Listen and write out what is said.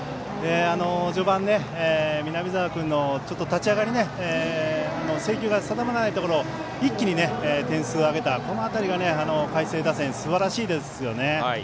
序盤、南澤君の立ち上がり制球が定まらないところを一気に点数を挙げたこの辺りが海星打線すばらしいですね。